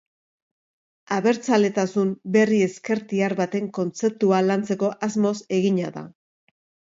Abertzaletasun berri ezkertiar baten kontzeptua lantzeko asmoz egina da.